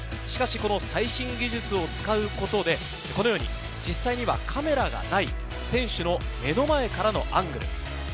しかし、最新技術を使うことで、このように実際にはカメラがない、選手の目の前からのアングル。